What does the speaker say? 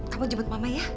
kamu jemput mama ya